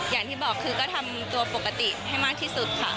อย่างที่บอกคือก็ทำตัวปกติให้มากที่สุดค่ะ